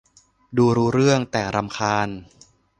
ดูรู้เรื่อง แต่รำคาญ